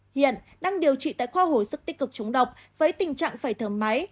hiện đang điều trị tại khoa hồi sức tích cực chống độc với tình trạng phải thở máy